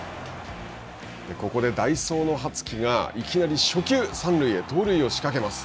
ここで代走の羽月がいきなり初球、三塁へ盗塁を仕掛けます。